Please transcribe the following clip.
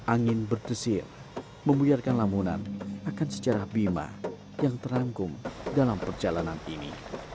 angin berdesir membuyarkan lamunan akan sejarah bima yang terangkum dalam perjalanan ini